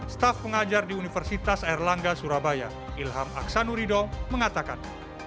staf pengajar di universitas erlangga surabaya ilham aksanurido mengatakan